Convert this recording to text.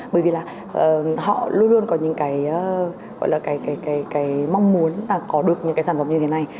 bởi vì là họ luôn luôn có những cái mong muốn là có được những cái sản phẩm như thế này